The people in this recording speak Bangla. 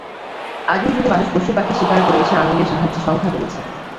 আদিম যুগে মানুষ পশু-পাখি শিকার করে এসে আঙুলের সাহায্যে সংখ্যা বলেছে।